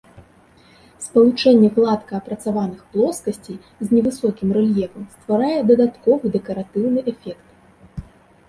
Спалучэнне гладка апрацаваных плоскасцей з невысокім рэльефам стварае дадатковы дэкаратыўны эфект.